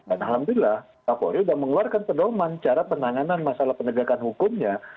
alhamdulillah kapolri sudah mengeluarkan pedoman cara penanganan masalah penegakan hukumnya